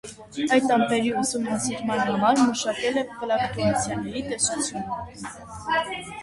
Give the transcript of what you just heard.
Այդ ամպերի ուսումնասիրման համար մշակել է ֆլուկտուացիաների տեսությունը։